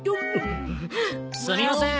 すみません。